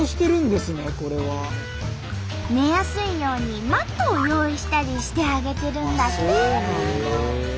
寝やすいようにマットを用意したりしてあげてるんだって！